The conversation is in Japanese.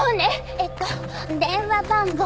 えっと電話番号は。